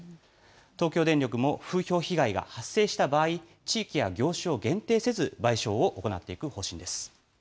東京電力も風評被害が発生した場合、地域や業種を限定せず、賠償を行っていく方針です。